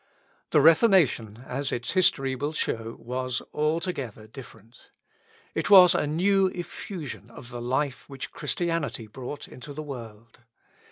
The Reformation, as its history will show, was altogether different. It was a new effusion of the life which Christianity brought into the world.